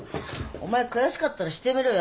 お前悔しかったらしてみろよ。